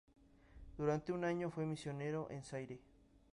Durante un año fue misionero en Zaire.